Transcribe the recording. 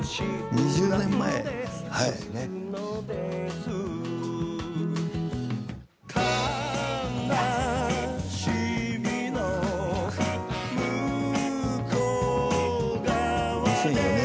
２０年前ですね。